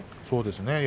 そうですね